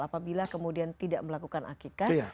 apabila kemudian tidak melakukan akikah